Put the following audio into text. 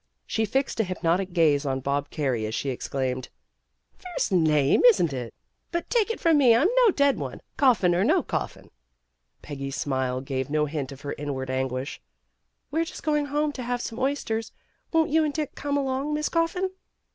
She fixed a hypnotic gaze on Bob Carey as she exclaimed, '* Fierce name, isn 't it ! But take it from me, I 'm no dead one, Coffin or no coffin. '' Peggy's smile gave no hint of her inward anguish. "We're just going home to have some oysters. Won't you and Dick come along, Miss Coffin?"